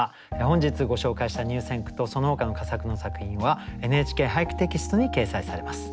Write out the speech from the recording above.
本日ご紹介した入選句とそのほかの佳作の作品は「ＮＨＫ俳句」テキストに掲載されます。